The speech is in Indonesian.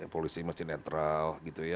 polisi masih netral gitu ya